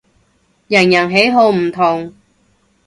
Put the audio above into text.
人人喜好唔同